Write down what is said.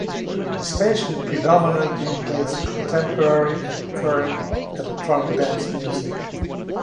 The station predominantly plays contemporary and current electronic dance music.